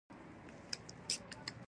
پیرودونکی د نرخ ټکټ وکت.